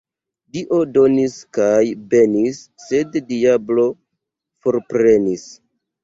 Dio donis kaj benis, sed diablo forprenis.